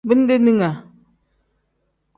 Bindeninga.